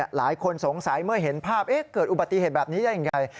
หลายคนสงสัยเมื่อเห็นภาพเกิดอุบัติเหตุแบบนี้ได้ยังไง